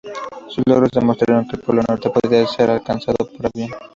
Sus logros demostraron que el Polo Norte podría ser alcanzado por avión.